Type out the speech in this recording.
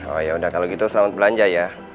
oh yaudah kalau gitu selamat belanja ya